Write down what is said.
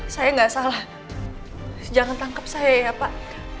saya gak salah jangan tangkap saya ya pak